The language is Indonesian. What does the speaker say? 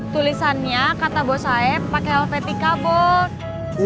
tulisannya kata bos saeb pake helvetica bos